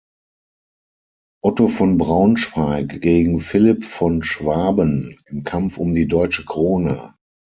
Otto von Braunschweig gegen Philipp von Schwaben im Kampf um die deutsche Krone.